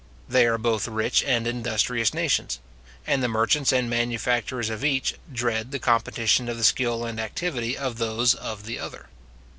They are both rich and industrious nations; and the merchants and manufacturers of each dread the competition of the skill and activity of those of the other.